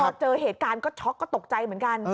พอเจอเหตุการณ์ก็ช็อกก็ตกใจเหมือนกัน